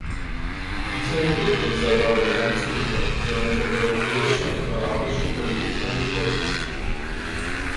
Diese Entwicklung sei dabei kein Zufall, sondern von europäischen und arabischen Politikern gewollt.